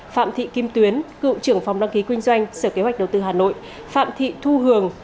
phạm thị kim tuyến cựu trưởng phòng đăng ký kinh doanh sở kế hoạch đầu tư hà nội phạm thị thu hường